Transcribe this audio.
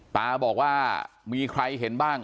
ตาบอกว่ามีใครเห็นบ้าง